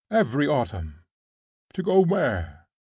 every autumn." "To go where?"